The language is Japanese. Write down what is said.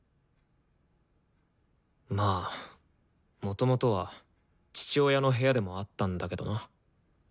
まあもともとは父親の部屋でもあったんだけどな。